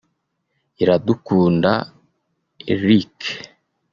Iradukunda Eric